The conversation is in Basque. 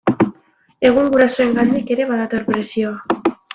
Egun gurasoengandik ere badator presioa.